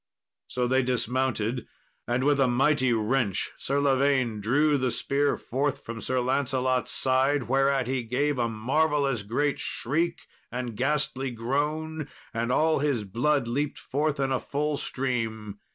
So they dismounted, and with a mighty wrench Sir Lavaine drew the spear forth from Sir Lancelot's side; whereat he gave a marvellous great shriek and ghastly groan, and all his blood leaped forth in a full stream.